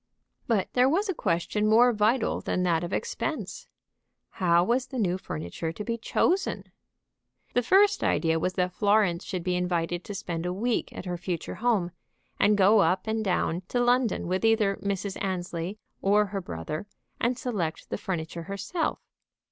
But there was a question more vital than that of expense. How was the new furniture to be chosen? The first idea was that Florence should be invited to spend a week at her future home, and go up and down to London with either Mrs. Annesley or her brother, and select the furniture herself.